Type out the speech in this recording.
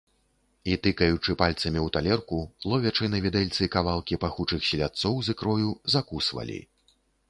І, тыкаючы пальцамі ў талерку, ловячы на відэльцы кавалкі пахучых селядцоў з ікрою, закусвалі.